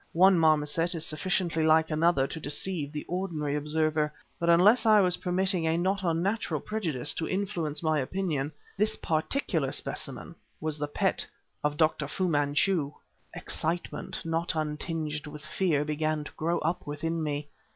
One marmoset is sufficiently like another to deceive the ordinary observer, but unless I was permitting a not unnatural prejudice to influence my opinion, this particular specimen was the pet of Dr. Fu Manchu! Excitement, not untinged with fear, began to grow up within me.